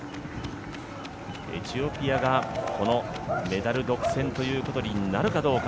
エチオピアがこのメダル独占ということになるかどうか。